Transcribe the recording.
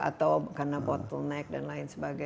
atau karena bottleneck dan lain sebagainya